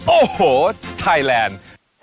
โอ้โหไทยแลนด์